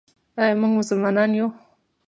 آیا موږ مسلمانان یو؟